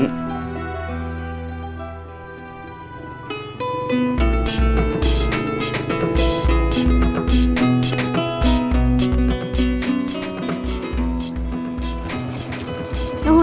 rok sekolahnya pebri